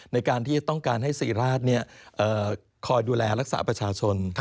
ในการที่ต้องการให้ศรีราชคอยดูแลรักษาประชาชน